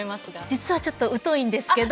実はちょっと疎いんですけど。